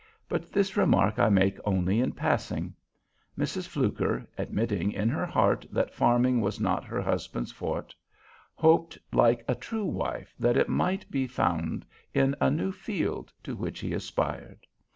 But this remark I make only in passing. Mrs. Fluker, admitting in her heart that farming was not her husband's forte, hoped, like a true wife, that it might be found in the new field to which he aspired.